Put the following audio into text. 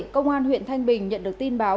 công an huyện thanh bình nhận được tin báo